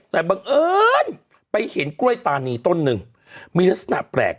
แต่บังเอิญไปเห็นกล้วยตานีต้นหนึ่งมีลักษณะแปลก